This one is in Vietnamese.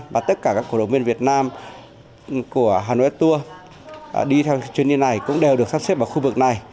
và tất cả các cổ động viên việt nam của hà nội tour đi theo chuyến đi này cũng đều được sắp xếp vào khu vực này